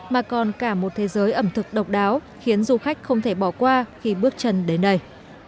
mà còn cả một thế giới ẩm thực độc đáo khiến du khách không thể bỏ qua khi bước chân đến đây